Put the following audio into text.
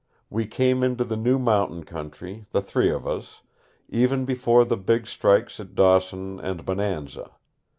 We came into the new mountain country, the three of us, even before the big strikes at Dawson and Bonanza.